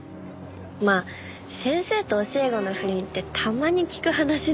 まあ先生と教え子の不倫ってたまに聞く話だし。